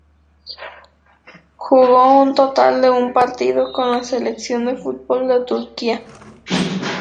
Jugó un total de un partido con la selección de fútbol de Turquía.